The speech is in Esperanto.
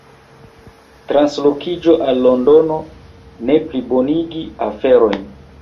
Translokiĝo al Londono ne plibonigi aferojn.